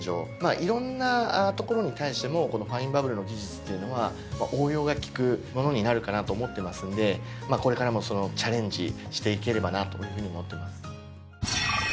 いろんなところに対してもこのファインバブルの技術っていうのは応用が利くものになるかなと思ってますんでこれからもチャレンジしていければなというふうに思ってます。